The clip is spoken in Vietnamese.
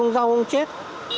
rau không chết